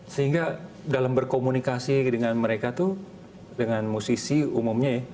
sehingga dalam berkomunikasi dengan mereka tuh dengan musisi umumnya ya